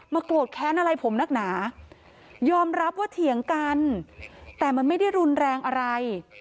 โกรธแค้นอะไรผมนักหนายอมรับว่าเถียงกันแต่มันไม่ได้รุนแรงอะไร